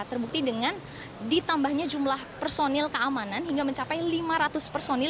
terbukti dengan ditambahnya jumlah personil keamanan hingga mencapai lima ratus personil